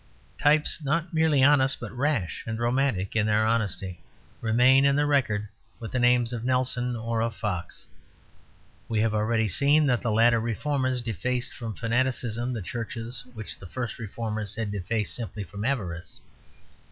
Types not merely honest, but rash and romantic in their honesty, remain in the record with the names of Nelson or of Fox. We have already seen that the later reformers defaced from fanaticism the churches which the first reformers had defaced simply from avarice.